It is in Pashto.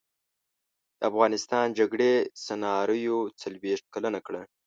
د افغانستان جګړې سناریو څلویښت کلنه کړه.